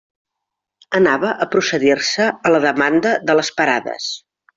Anava a procedir-se a la demanada de les parades.